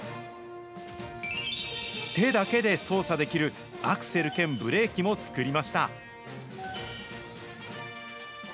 手だけで操作できるアクセル兼ブレーキも作りました。